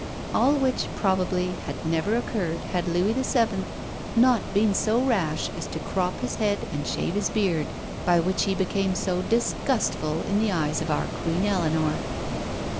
All which, probably, had never occurred had Louis VII. not been so rash as to crop his head and shave his beard, by which he became so disgustful in the eyes of our Queen Eleanor.